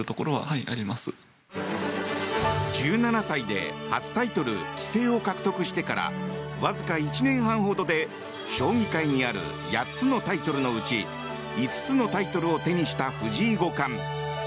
１７歳で初タイトル、棋聖を獲得してからわずか１年半ほどで将棋界にある８つのタイトルのうち５つのタイトルを手にした藤井五冠。